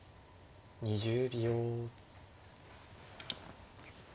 ２０秒。